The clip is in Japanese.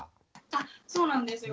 あそうなんですよ。